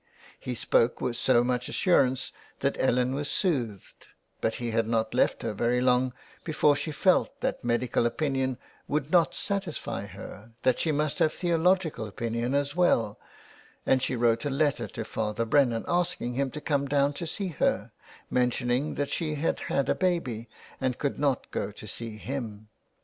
He spoke with so much assurance that Ellen was soothed, but he had not left her very long before she felt that medical opinion would not satisfy her, that she must have theological opinion as well, and she wrote a letter to Father Brennan asking him to come down to see her, mentioning that she had had a baby and could not go to see him.